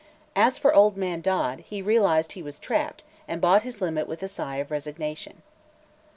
As for old man Dodd, he realized he was trapped and bought his limit with a sigh of resignation.